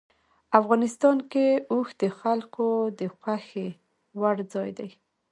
افغانستان کې اوښ د خلکو د خوښې وړ ځای دی.